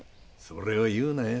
それを言うなよ。